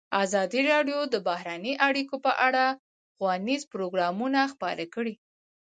ازادي راډیو د بهرنۍ اړیکې په اړه ښوونیز پروګرامونه خپاره کړي.